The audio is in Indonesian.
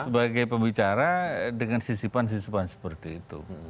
sebagai pembicara dengan sisipan sisipan seperti itu